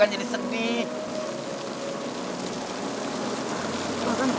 tante mira pergi ya pak